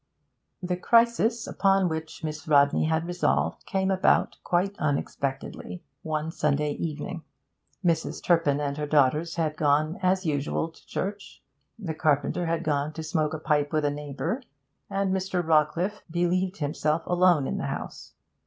The crisis upon which Miss Rodney had resolved came about, quite unexpectedly, one Sunday evening. Mrs. Turpin and her daughters had gone, as usual, to church, the carpenter had gone to smoke a pipe with a neighbour, and Mr. Rawcliffe believed himself alone in the house.